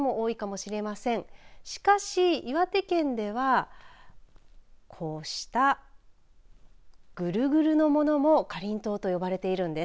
しかし、岩手県ではこうしたぐるぐるのものもかりんとうと呼ばれているんです。